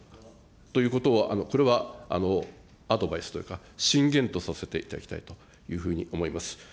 ということを、これはアドバイスというか、進言とさせていただきたいというふうに思います。